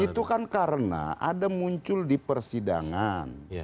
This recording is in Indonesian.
itu kan karena ada muncul di persidangan